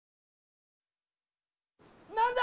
何だ？